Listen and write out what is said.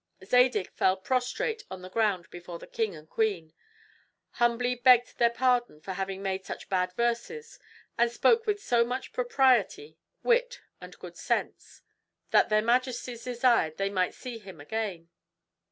Zadig fell prostrate on the ground before the king and queen; humbly begged their pardon for having made such bad verses and spoke with so much propriety, wit, and good sense, that their majesties desired they might see him again.